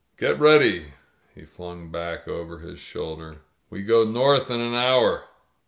"Get ready,'* he flung back over his shoulder. "We go north in an hour."